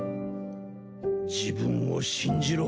自分を信じろ。